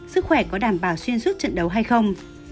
sức khỏe có đảm bảo xuyên suốt trận đấu hay không